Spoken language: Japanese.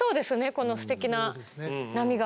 このすてきな波が。